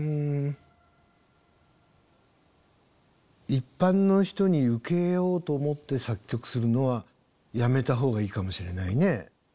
一般の人に受けようと思って作曲するのはやめたほうがいいかもしれないね。